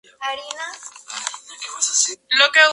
Dylan Thomas lo calificó como "el pueblo más bonito de Inglaterra".